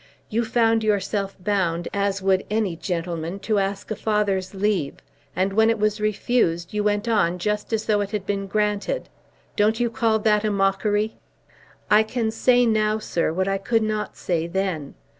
You found yourself bound, as would any gentleman, to ask a father's leave, and when it was refused, you went on just as though it had been granted! Don't you call that a mockery?" "I can say now, sir, what I could not say then.